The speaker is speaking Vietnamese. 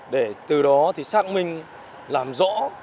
để từ đó xác minh làm rõ